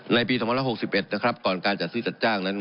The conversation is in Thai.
ในปีสมรรถหกสิบเอ็ดนะครับก่อนการจัดซื้อจัดจ้างนั้น